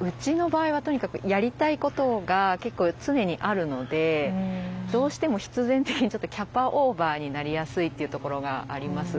ウチの場合はとにかくやりたいことが結構常にあるのでどうしても必然的にちょっとキャパオーバーになりやすいっていうところがあります。